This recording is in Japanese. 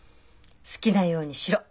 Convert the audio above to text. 「好きなようにしろ」。